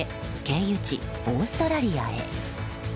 経由地、オーストラリアへ。